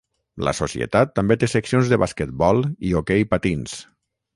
La societat també té seccions de basquetbol i hoquei patins.